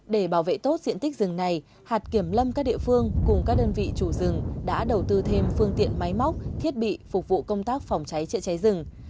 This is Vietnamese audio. để bảo vệ tốt diện tích rừng này hạt kiểm lâm các địa phương cùng các đơn vị chủ rừng đã đầu tư thêm phương tiện máy móc thiết bị phục vụ công tác phòng cháy chữa cháy rừng